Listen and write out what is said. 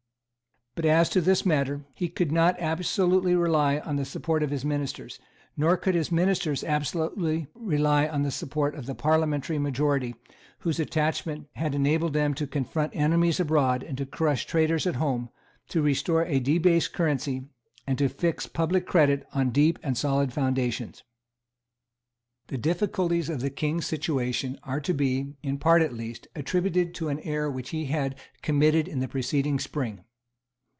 But, as to this matter, he could not absolutely rely on the support of his ministers; nor could his ministers absolutely rely on the support of that parliamentary majority whose attachment had enabled them to confront enemies abroad and to crush traitors at home, to restore a debased currency, and to fix public credit on deep and solid foundations. The difficulties of the King's situation are to be, in part at least, attributed to an error which he had committed in the preceding spring.